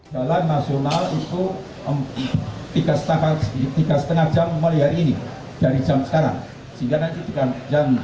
jalan nasional itu tiga lima jam mulai hari ini dari jam sekarang